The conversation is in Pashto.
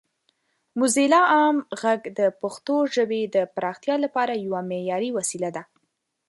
موزیلا عام غږ د پښتو ژبې د پراختیا لپاره یوه معیاري وسیله ده.